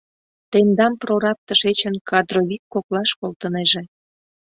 — Тендам прораб тышечын кадровик коклаш колтынеже...